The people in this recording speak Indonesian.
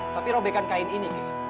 tapi robekan kain ini